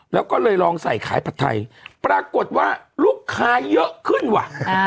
แล้วก็เลยลองใส่ขายผัดไทยปรากฏว่าลูกค้าเยอะขึ้นว่ะ